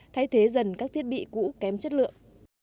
thay thế dần các thiết bị cũ kém chất lượng